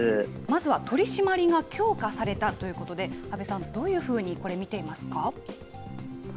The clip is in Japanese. まずは取締りが強化されたということで、阿部さん、どういうふうにこれ、見ていますか。